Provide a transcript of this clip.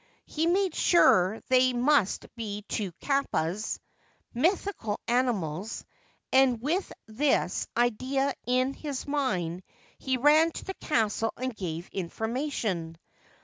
He made sure they must be two kappas (mythical animals), and with this idea in his mind he ran to the castle and gave information.